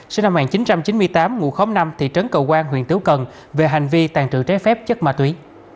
sinh năm một nghìn chín trăm chín mươi tám ngụ khóm năm thị trấn cầu quang huyện tứ cần về hành vi tàn trự trái phép chất ma túy